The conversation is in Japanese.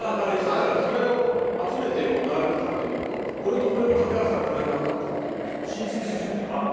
だからそれを集めて並べて食べてみるとこれとこれを掛け合わせたらこれになったとかっていう親戚筋みたいなのがあるの。